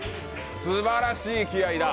すばらしい気合いだ。